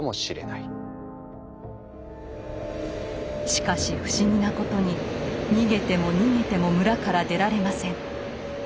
しかし不思議なことに逃げても逃げても村から出られません。